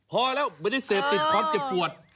พอแล้วไม่ได้เสพติดความเจ็บปวด